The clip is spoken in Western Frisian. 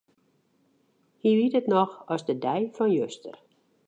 Hy wit it noch as de dei fan juster.